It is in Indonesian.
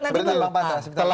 berhenti dulu nanti berhenti dulu